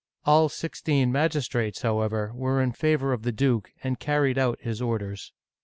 *' All sixteen magistrates, however, were in favor of the duke, and carried out his orders.